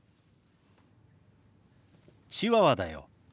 チワワだよ。